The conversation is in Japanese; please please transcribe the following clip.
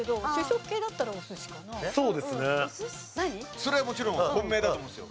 それはもちろん本命だと思うんですよ。